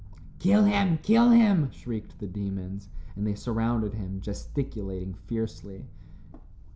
"Kill him, kill him," shrieked the demons, and they surrounded him, gesticulating fiercely.